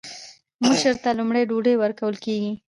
مشر ته لومړی ډوډۍ ورکول کیږي.